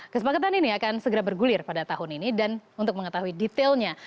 kesepakatan ini akan segera bergulir pada tahun ini dan untuk mengetahui detailnya